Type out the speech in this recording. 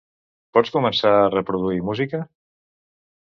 Pots començar a reproduir música?